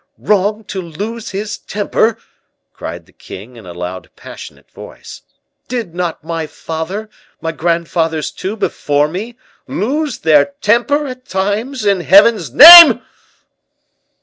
"Wrong to lose his temper!" cried the king, in a loud, passionate voice. "Did not my father, my grandfathers, too, before me, lose their temper at times, in Heaven's name?"